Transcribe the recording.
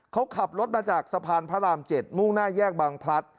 เขาขับรถมาจากสะพานพระราม๗มุ่งหน้าแยกบางพลัด